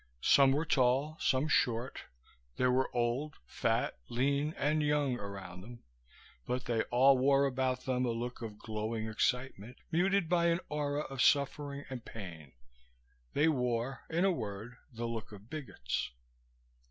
Some were tall, some short; there were old, fat, lean and young around them; but they all wore about them a look of glowing excitement, muted by an aura of suffering and pain. They wore, in a word, the look of bigots.